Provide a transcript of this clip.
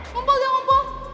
kumpul ga kumpul